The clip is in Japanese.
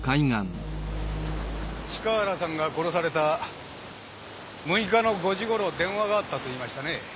塚原さんが殺された６日の５時頃電話があったと言いましたね。